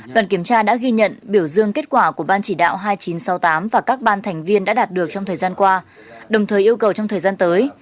đoàn kiểm tra đã ghi nhận biểu dương kết quả của ban chỉ đạo hai nghìn chín trăm sáu mươi tám và các ban thành viên đã đạt được trong thời gian qua đồng thời yêu cầu trong thời gian tới